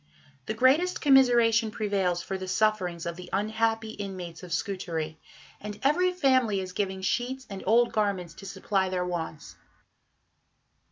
The greatest commiseration prevails for the sufferings of the unhappy inmates of Scutari, and every family is giving sheets and old garments to supply their wants.